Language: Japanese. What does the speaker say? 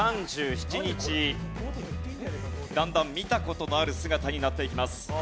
だんだん見た事のある姿になっていきます。